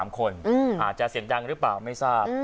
อาจจะเสียงดังหรือเปล่าไม่ทราบ